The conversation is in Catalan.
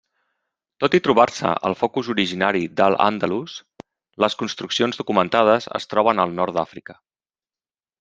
Tot i trobar-se el focus originari d'al-Àndalus, les construccions documentades es troben al nord d'Àfrica.